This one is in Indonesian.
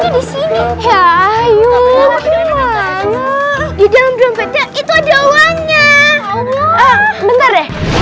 di sini ya ayo gimana itu doangnya bener